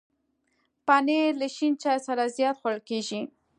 پنېر له شین چای سره زیات خوړل کېږي.